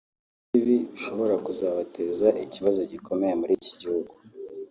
kuburyo ibi bishobora kuzateza ikibazo gikomeye muri iki gihugu